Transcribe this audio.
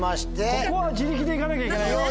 ここは自力でいかなきゃいけないよ。